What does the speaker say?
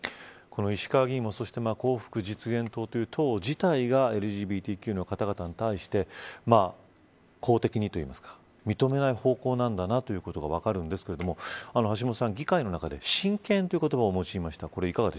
この石川議員もそして幸福実現党という党自体がＬＧＢＴＱの方々に対して公的にといいますか認めない方向なんだなということが分かるんですけれども橋下さん、議会の中で神権という言葉を持ちました。